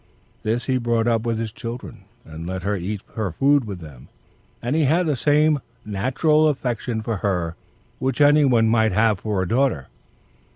This he brought up with his children, and let her eat her food with them; and he had the same natural affection for her which any one might have for a daughter.